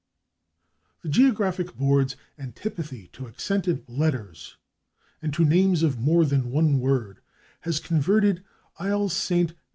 The Geographic Board's antipathy to accented letters and to names of more than one word has converted /Isle Ste.